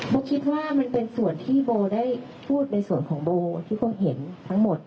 คิดว่ามันเป็นส่วนที่โบได้พูดในส่วนของโบที่คงเห็นทั้งหมด